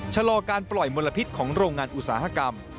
ชะลอการปล่อยมลพิษของโรงงานอุตสาหกรรม